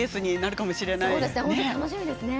楽しみですね。